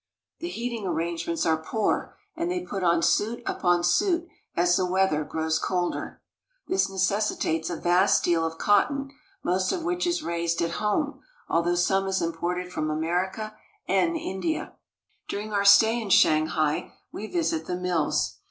The heating arrange ments are poor, and they put on suit upon suit as the weather grows colder. This necessitates a vast deal of cotton, most of which is raised at home, although some is imported from America and India. During our stay in Shanghai, we visit the mills.